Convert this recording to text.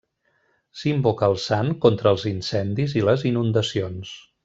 S'invoca el sant contra els incendis i les inundacions.